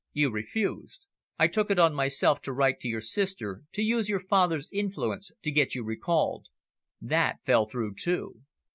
You refused. I took it on myself to write to your sister to use your father's influence to get you recalled. That fell through too."